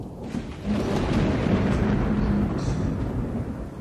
На ходу он разглядел ее всю.